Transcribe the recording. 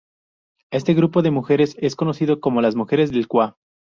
Este grupo de mujeres es conocido como las mujeres del Cua.